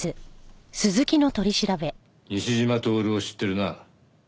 西島亨を知ってるな？